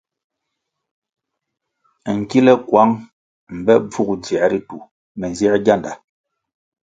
Nkile kuang mbe bvug dzier ritu me nzier gianda.